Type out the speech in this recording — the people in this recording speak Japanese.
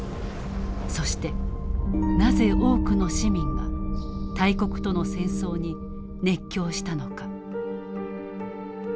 そしてなぜ多くの市民が大国との戦争に熱狂したのか。